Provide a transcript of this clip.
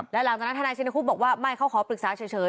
แล้วหลังจากนั้นทนายชินคุบบอกว่าไม่เขาขอปรึกษาเฉย